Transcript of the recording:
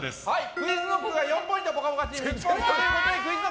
ＱｕｉｚＫｎｏｃｋが４ポイント「ぽかぽか」チーム１ポイント！